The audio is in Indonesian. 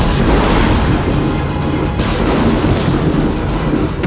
jangan lakukan apa apa